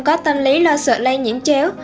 có tâm lý lo sợ lây nhiễm chéo